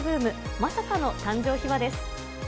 まさかの誕生秘話です。